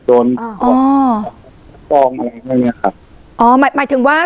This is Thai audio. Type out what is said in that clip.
โดนอ๋อปล้องอะไรพวกเนี้ยครับอ๋อหมายถึงว่า